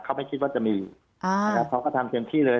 เขาไม่คิดว่าจะมีเขาก็ทำเต็มที่เลย